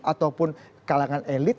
ataupun kalangan elit